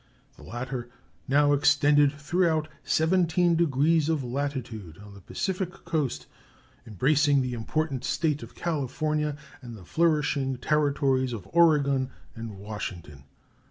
The latter now extend throughout seventeen degrees of latitude on the Pacific coast, embracing the important State of California and the flourishing territories of Oregon and Washington.